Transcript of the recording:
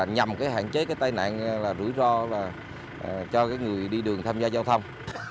nhằm hạn chế tai nạn rủi ro cho người đi đường tham gia giao thông